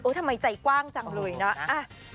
ทำไมใจกว้างจังเลยนะ